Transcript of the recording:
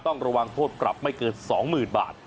ต้องระวังโทษปรับไม่เกิน๒๐๐๐บาท